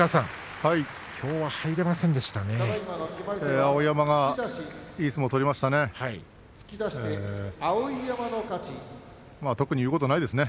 碧山がいい相撲を取りましたね。